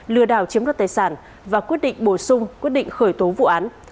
lừa đảo chiếm đoạt tài sản và quyết định bổ sung quyết định khởi tố vụ án